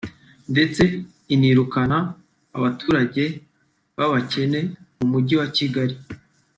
ndetse inirukana abaturage b’abakene mu mujyi wa Kigali